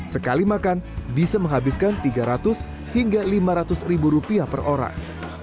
sekali makan bisa menghabiskan tiga ratus hingga lima ratus ribu rupiah per orang